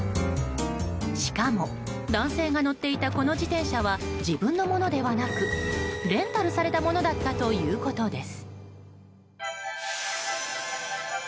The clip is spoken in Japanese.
しかも、男性が乗っていたこの自転車は自分のものではなくレンタルされたものだったということです。